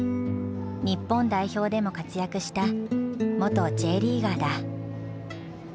日本代表でも活躍した元Ｊリーガーだ。